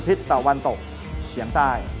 ทิศตะวันตกเฉียงใต้